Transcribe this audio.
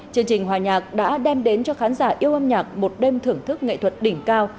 chương trình hòa nhạc đã đem đến cho khán giả yêu âm nhạc một đêm thưởng thức nghệ thuật đỉnh cao